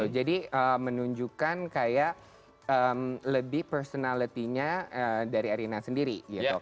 jadi menunjukkan kayak lebih personality nya dari erina sendiri